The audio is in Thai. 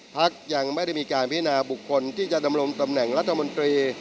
พักยังไม่ได้มีการพินาบุคคลที่จะดำรงตำแหน่งรัฐมนตรี